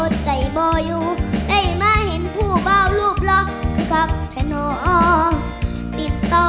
กรุงพร้อมและอ่อนหิวเป็นปลูกที่๔